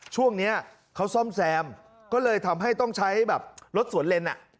ช่วงนี้เขาซ่อมแซมก็เลยทำให้ต้องใช้แบบรถสวนเลน